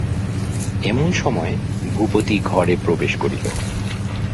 এমন সময় ভূপতি ঘরে প্রবেশ করিল।